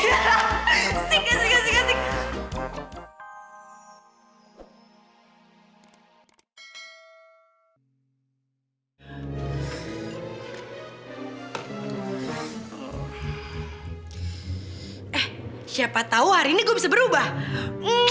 eh siapa tahu hari ini gue bisa berubah